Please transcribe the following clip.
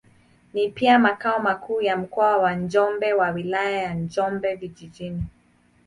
Ni pia makao makuu ya Mkoa wa Njombe na Wilaya ya Njombe Vijijini.